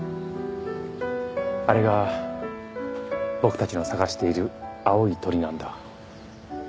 「あれが僕たちの探している青い鳥なんだ」。